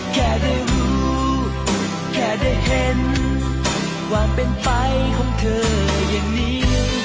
แค่ได้รู้แค่ได้เห็นว่าเป็นไปของเธออย่างนี้